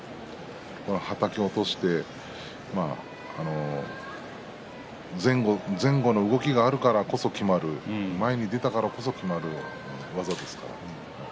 はたき落として前後の動きがあるからこそ決まる前に出たからこそきまる技です。